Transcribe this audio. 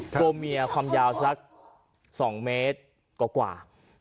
ตัวเมียความยาวสัก๒เมตรกว่า